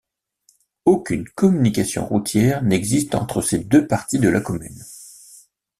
Aucune communication routière n'existe entre ces deux parties de la commune.